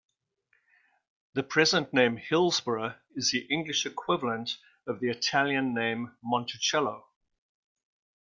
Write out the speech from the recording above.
The present name Hillsboro is the English equivalent the Italian name Monticello.